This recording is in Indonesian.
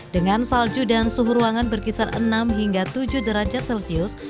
dengan salju dan suhu ruangan berkisar enam hingga tujuh derajat celcius